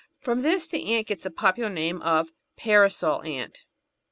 From this the ant gets its popular name of Parasol Ant.